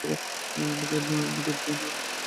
আমাদের ডিন অনেকের জীবন বাঁচিয়েছিলেন।